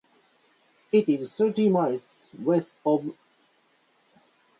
It is thirty miles west of Aniak.